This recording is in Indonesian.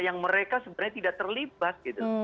yang mereka sebenarnya tidak terlibat gitu